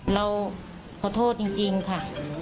เราขอโทษจริงค่ะ